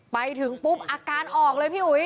ไปถึงปุ๊บอาการออกเลยพี่อุ๋ย